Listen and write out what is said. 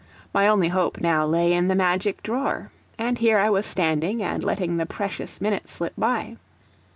My only hope now lay in the magic drawer, and here I was standing and letting the precious minutes slip by.